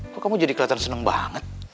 kok kamu jadi keliatan seneng banget